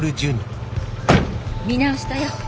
見直したよ。